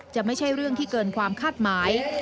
จะไม่ใช่เรื่องที่เกินความคาดหมาย